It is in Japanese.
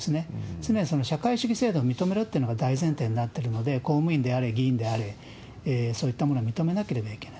すでにその社会主義制度を認めろっていうのが大前提になってるので、公務員であれ、議員であれ、そういったものは認めなきゃいけない。